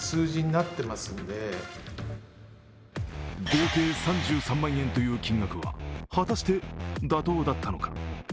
合計３３万円という金額は果たして妥当だったのか。